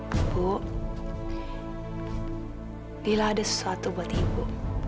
ibu lila ada sesuatu buat ibu